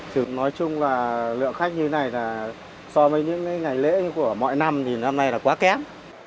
thực nói chung là lượng khách như thế này là so với những ngày lễ của mọi năm thì năm nay là quá kém